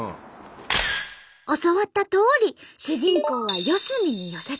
教わったとおり主人公は四隅に寄せた。